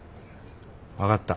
分かった。